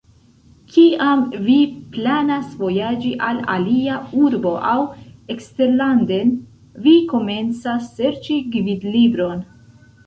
Kiam vi planas vojaĝi al alia urbo aŭ eksterlanden, vi komencas serĉi gvidlibron.